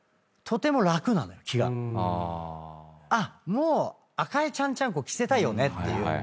もう赤いちゃんちゃんこ着せたよねっていう。